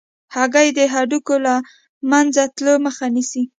هګۍ د هډوکو له منځه تلو مخه نیسي.